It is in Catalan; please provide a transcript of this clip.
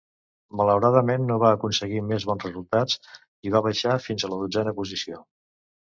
Malauradament no va aconseguir més bons resultats i va baixar fins a la dotzena posició.